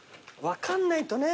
分かんないとね。